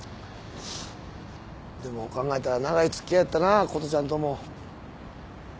でも考えたら長いつきあいやったな琴ちゃんとも。